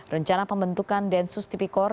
rencana pembentukan densus tipikor